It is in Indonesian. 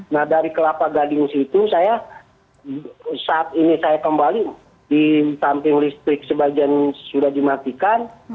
nah dari kelapa gading situ saya saat ini saya kembali di samping listrik sebagian sudah dimatikan